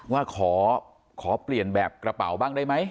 ว่าขอเปลี่ยนแบบกระเป๋าบ้างได้ไหม